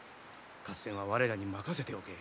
合戦は我らに任せておけ。